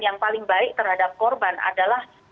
yang paling baik terhadap korban adalah